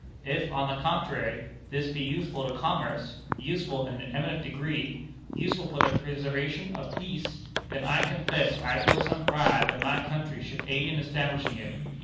If, on the contrary, this be useful to commerce useful in an eminent degree useful for the preservation of peace, then I confess I feel some pride that my country should aid in establishing it.